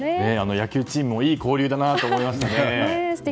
野球チームもいい交流だなと思いましたね。